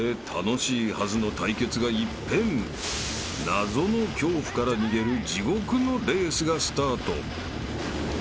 ［謎の恐怖から逃げる地獄のレースがスタート］